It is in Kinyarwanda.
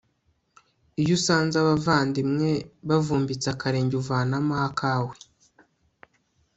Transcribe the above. iyo usanze abavandimwe bavumbitse akarenge uvanamo akawe